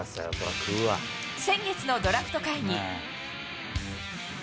先月のドラフト会議。